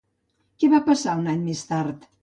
Què va passar un any més tard?